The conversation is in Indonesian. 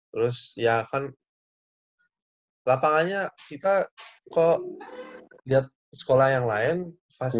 terus ya kan lapangannya kita kok lihat sekolah yang lain fase